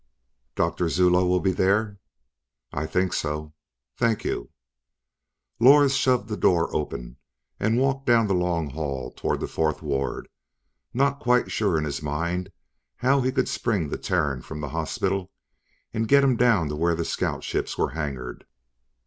"Doctor Zuloe will be there?" "I think so." "Thank you." Lors shoved the door open and walked down the long hall toward the fourth ward, not quite sure in his mind how he could spring the Terran from the hospital and get him down to where the scout ships were hangared.